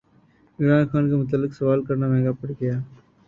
عمران خان کے متعلق سوال کرنا مہنگا پڑگیا